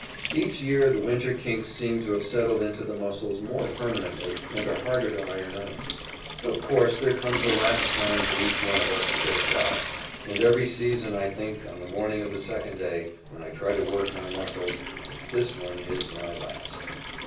Each year the winter kinks seem to have settled into the muscles more permanently and are harder to iron out. Of course, there comes a last time for each one of us to go South, and every season I think, on the morning of the second day, when I try to work my muscles, that this one is my last.